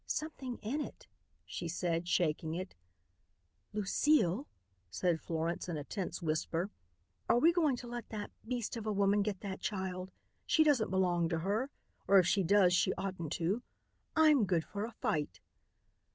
"Something in it," she said, shaking it. "Lucile," said Florence in a tense whisper, "are we going to let that beast of a woman get that child? She doesn't belong to her, or if she does, she oughtn't to. I'm good for a fight."